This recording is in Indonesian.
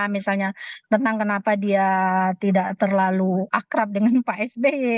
misalnya tentang kenapa dia tidak terlalu akrab dengan pak sby